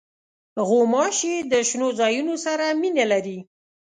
غوماشې د شنو ځایونو سره مینه لري.